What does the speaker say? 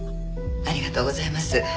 ありがとうございます。